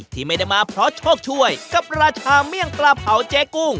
ที่ไม่ได้มาเพราะโชคช่วยกับราชาเมี่ยงปลาเผาเจ๊กุ้ง